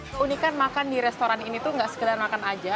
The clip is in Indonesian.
keunikan makan di restoran ini tuh nggak sekedar makan aja